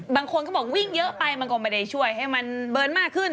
บางคนก็บอกวิ่งเยอะไปมันก็ไม่ได้ช่วยให้มันเบิร์นมากขึ้น